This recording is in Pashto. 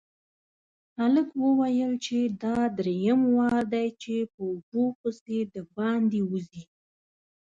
هلک وويل چې دا دريم وار دی چې په اوبو پسې د باندې وځي.